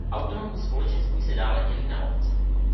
Autonomní společenství se dále člení na obce.